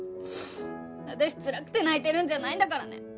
私つらくて泣いてるんじゃないんだからね。